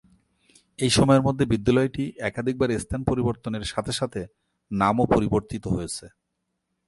এই সময়ের মধ্যে বিদ্যালয়টি একাধিকবার স্থান পরিবর্তনের সাথে সাথে নামও পরিবর্তিত হয়েছে।